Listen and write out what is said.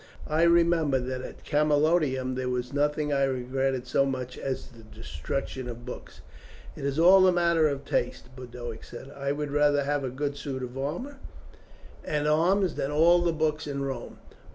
I remember that at Camalodunum there was nothing I regretted so much as the destruction of the books." "It is all a matter of taste," Boduoc said. "I would rather have a good suit of armour and arms than all the books in Rome.